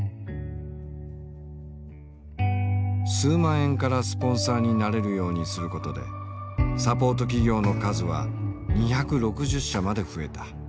数万円からスポンサーになれるようにすることでサポート企業の数は２６０社まで増えた。